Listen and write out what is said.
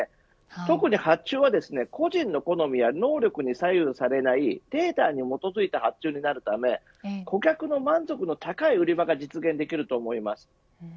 特に発注は個人の好みや能力に左右されないデータに基づいた発注になるため顧客の満足の高い売り場が実現できると思います。